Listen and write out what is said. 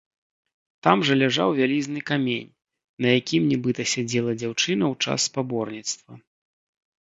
Там жа ляжаў вялізны камень, на якім нібыта сядзела дзяўчына ў час спаборніцтва.